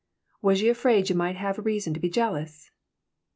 Was you afraid you might have reason to be jealous?"